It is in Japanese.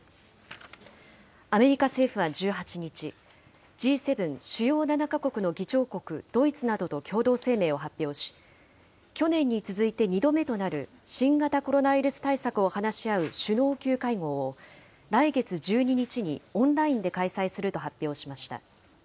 アメリカ政府は１８日、Ｇ７・主要７か国の議長国ドイツなどと共同声明を発表し、去年に続いて２度目となる、新型コロナウイルス対策を話し合う首脳級会合を、来月１２日にオンラインで開催すると発表しました。